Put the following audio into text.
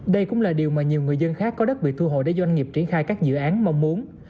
đây cũng là điều mà nhiều người dân khác có đất bị thu hồi để doanh nghiệp triển khai các dự án mong muốn